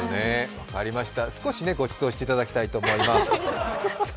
少しご馳走していただきたいと思います。